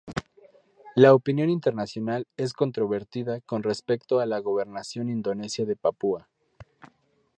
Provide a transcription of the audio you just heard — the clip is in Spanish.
La opinión internacional es controvertida con respecto a la gobernación Indonesia de Papúa.